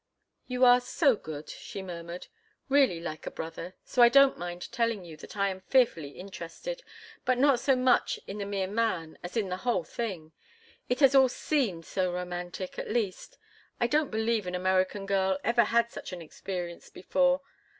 "You are so good," she murmured. "Really like a brother, so I don't mind telling you that I am fearfully interested—but not so much in the mere man as in the whole thing. It has all seemed so romantic, at least. I don't believe an American girl ever had such an experience before.